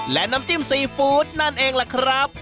และน้ำจิ้มซีฟู้ดนั่นเองล่ะครับ